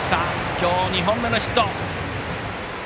今日２本目のヒット。